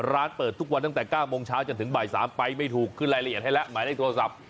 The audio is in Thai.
ร้านเปิดทุกวันตั้งแต่๙โมงเช้าจนถึงบ่าย๓ไปไม่ถูกขึ้นรายละเอียดให้แล้วหมายเลขโทรศัพท์